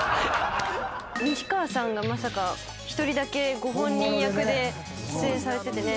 西川さんがまさか一人だけご本人役で出演されててね。